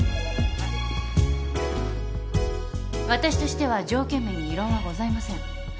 私としては条件面に異論はございません。